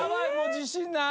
自信ない。